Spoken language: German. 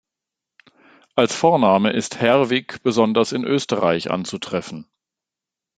Als Vorname ist "Herwig" besonders in Österreich anzutreffen.